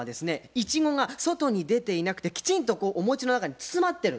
いちごが外に出ていなくてきちんとお餅の中に包まってる。